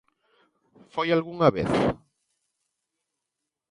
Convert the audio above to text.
¿Foi algunha vez?